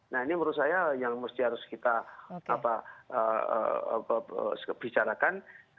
nah ini menurut saya yang harus kita bicarakan